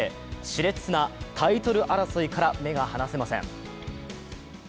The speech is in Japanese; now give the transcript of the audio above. しれつなタイトル争いから目が離せません。